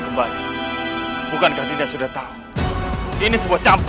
kembali bukankah dia sudah tahu ini sebuah campur